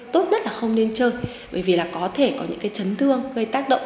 tốt nhất là không nên chơi bởi vì có thể có những chấn thương gây tác động